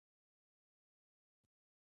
ایا زه باید د انار جوس وڅښم؟